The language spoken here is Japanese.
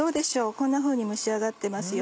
こんなふうに蒸し上がってますよ。